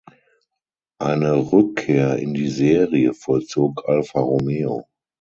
Eine Rückkehr in die Serie vollzog Alfa Romeo.